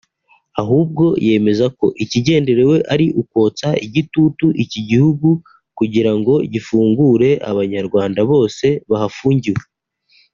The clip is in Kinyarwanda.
Ahubwo yemeza ko ikigenderewe ari ukotsa igitutu iki gihugu kugira ngo gifungure abanyarwanda bose bahafungiwe